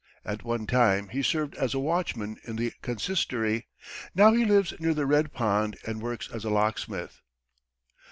At one time he served as a watchman in the Consistory, now he lives near the Red Pond and works as a locksmith.